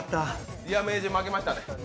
名人負けましたね。